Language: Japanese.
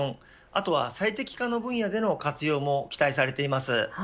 あとは最適化の分野での活用も期待されています。